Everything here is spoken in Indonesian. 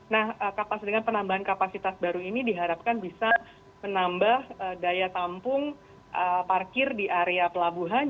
nah dengan penambahan kapasitas baru ini diharapkan bisa menambah daya tampung parkir di area pelabuhan